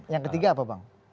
yang ketiga apa bang